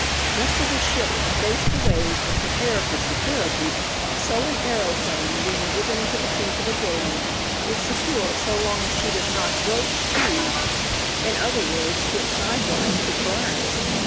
Just as a ship can face the waves with comparative security, so an aeroplane, being driven into the teeth of a gale, is secure so long as she does not "broach to"; in other words, get sidewise to the blast.